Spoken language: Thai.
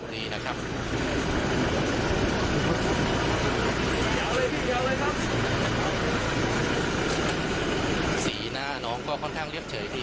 สีหน้าน้องก็ค่อนข้างเรียบเฉยดี